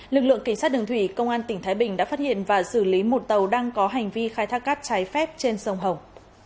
lực lượng kỳ sát đường thủy công an tỉnh thái bình đã phát hiện và xử lý một tàu đang có hành vi khai thác cát trái phép trên sông hồng